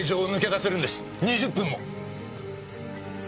２０分も！